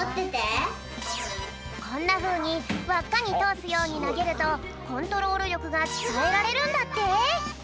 こんなふうにわっかにとおすようになげるとコントロールりょくがきたえられるんだって！